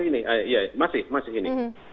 ini masih ini